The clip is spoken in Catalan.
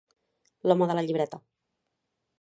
L'home de la llibreta.